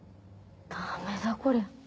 ダメだこりゃ。